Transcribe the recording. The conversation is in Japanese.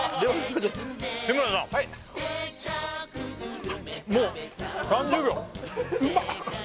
日村さんもう３０秒うまっ！